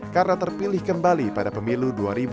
karena terpilih kembali pada pemilu dua ribu sembilan belas